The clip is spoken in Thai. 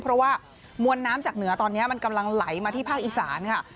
เพราะว่ามวลน้ำจากเหนือตอนนี้มันกำลังไหลมาที่ภาคอีสานค่ะ